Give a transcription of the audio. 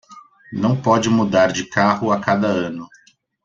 Não pode mudar de carro a cada ano